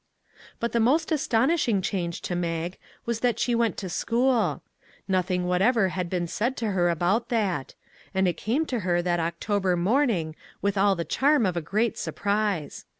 But the most astonishing change to Mag was that she went to school. Nothing whatever had been said to her about that ; and it came to her that October morning with all the charm of a great surprise.